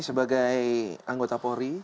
sebagai anggota polri